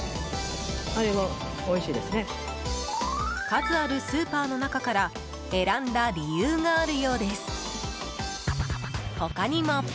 数あるスーパーの中から選んだ理由があるようです。